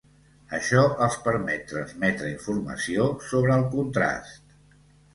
Això els permet transmetre informació sobre el contrast.